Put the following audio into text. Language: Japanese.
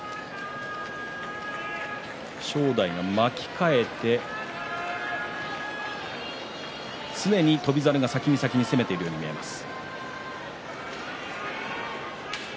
正代が巻き替えて常に翔猿が先に先に攻めているように見えます。